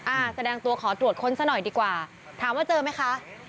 อ่าแสดงตัวขอตรวจค้นซะหน่อยดีกว่าถามว่าเจอไหมคะ